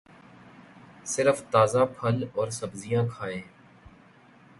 صرف تازہ پھل اور سبزیاں کھائیے